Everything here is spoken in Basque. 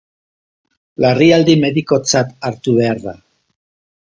Larrialdi medikotzat hartu behar da.